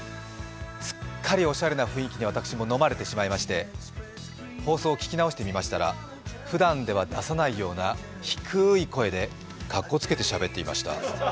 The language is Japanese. すっかりおしゃれな雰囲気に私も飲まれてしまいまして放送を聞き直してみましたらふだんでは出さないような低い声でかっこつけてしゃべっていました。